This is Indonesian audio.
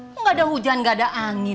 gak ada hujan gak ada angin